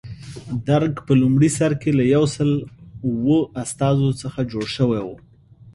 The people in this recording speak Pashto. درګ په لومړي سر کې له یو سل اوه استازو څخه جوړ شوی و.